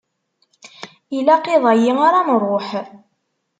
Ilaq iḍ-ayi ara nruḥ.